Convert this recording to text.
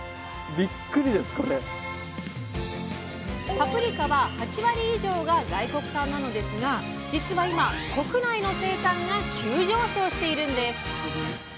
パプリカは８割以上が外国産なのですがじつは今国内の生産が急上昇しているんです！